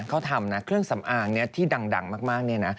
เขาทำนะเครื่องสำอางที่ดังมากเนี่ยนะ